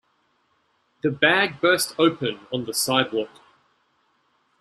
The bag burst open on the sidewalk.